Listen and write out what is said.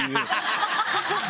ハハハハ！